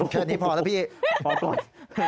แค่นี้พอแล้วพี่พอปล่อย